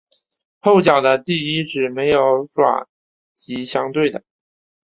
后脚的第一趾没有爪及相对的。